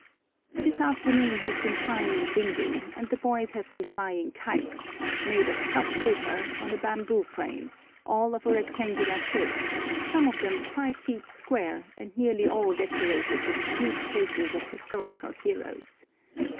This afternoon has been fine and windy, and the boys have been flying kites, made of tough paper on a bamboo frame, all of a rectangular shape, some of them five feet square, and nearly all decorated with huge faces of historical heroes.